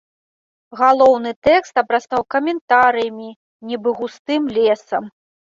Галоўны тэкст абрастаў каментарыямі, нібы густым лесам.